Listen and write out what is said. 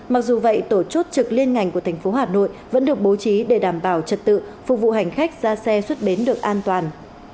mặc dù vậy tổ chốt trực liên ngành của thành phố hà nội vẫn được bố trí để đảm bảo trật tự phục vụ hành khách ra xe xuất bến được an toàn